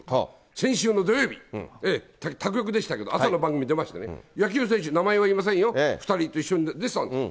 先週の土曜日、他局でしたけど、朝の番組、野球選手、名前は言いませんよ、２人いて、一緒に出てたんですよ。